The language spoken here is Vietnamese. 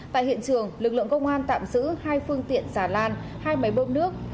tại hiện trường lực lượng công an tạm giữ hai phương tiện xà lan hai máy bơm nước